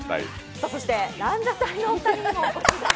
そして、ランジャタイのお二人にも。